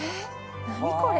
何これ？